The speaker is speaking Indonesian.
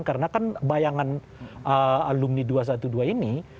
karena kan bayangan alumni dua ratus dua belas ini